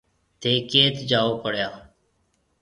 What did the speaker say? ٿَي ڪيٿ جاو پڙيا۔